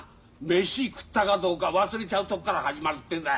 飯食ったかどうか忘れちゃうとっから始まるってんだ。